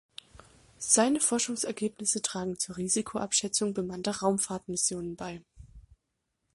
Seine Forschungsergebnisse tragen zur Risikoabschätzung bemannter Raumfahrtmissionen bei.